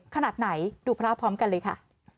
ขนาดไหนดูพร้อมกันเลยค่ะ